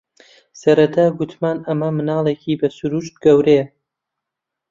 سەرەتا گوتمان ئەمە منداڵێکی بە سرووشت گەورەیە